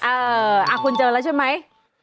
เออคุณเจอแล้วใช่ไหม